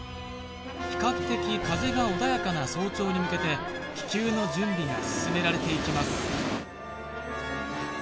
比較的風が穏やかな早朝に向けて気球の準備が進められていきます